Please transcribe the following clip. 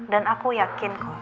dan aku yakin kok